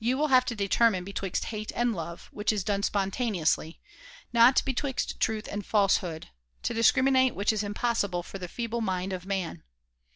You will have to determine betwixt hate and love, which is done spontaneously, not betwixt truth and falsehood, to discriminate which is impossible for the feeble mind of man.